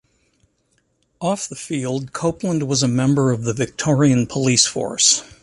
Off the field Copeland was a member of the Victorian police force.